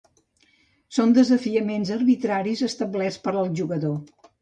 Són desafiaments arbitraris establerts per al jugador.